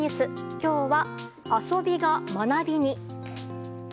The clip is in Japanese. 今日は、遊びが学びに。